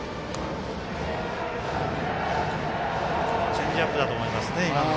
チェンジアップだと思いますね、今の。